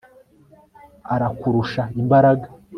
arakurusha imbaraga